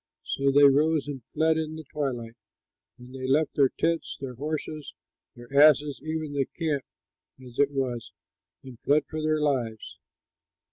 So they rose and fled in the twilight; and they left their tents, their horses and their asses, even the camp as it was, and fled for their lives.